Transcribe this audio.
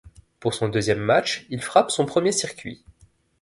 Pour son deuxième match, il frappe son premier circuit.